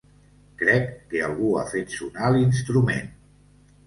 Crec que algú ha fet sonar l'instrument!